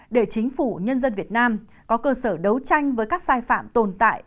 để chính phủ nhân dân việt nam có cơ sở đấu tranh với các sai phạm tồn tại